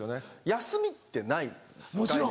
休みってないんですよ。